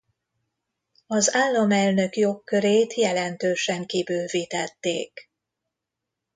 Az államelnök jogkörét jelentősen kibővítették.